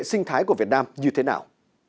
hệ sinh thái của việt nam như thế nào